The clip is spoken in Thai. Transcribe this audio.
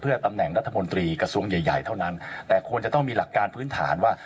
ตำแหน่งรัฐมนตรีกระทรวงใหญ่ใหญ่เท่านั้นแต่ควรจะต้องมีหลักการพื้นฐานว่า